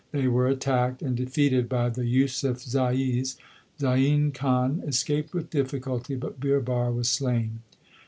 They were attacked and defeated by the Yusufzais. Zain Khan escaped with difficulty, but Birbar was slain.